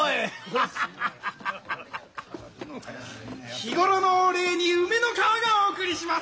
日頃のお礼に梅ノ川がお送りします。